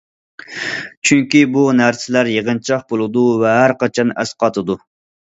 چۈنكى بۇ نەرسىلەر يىغىنچاق بولىدۇ ۋە ھەر قاچان ئەسقاتىدۇ.